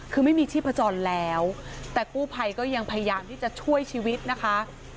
คือไม่มีชีพจรแล้วแต่กู้ภัยก็ยังพยายามที่จะช่วยชีวิตนะคะ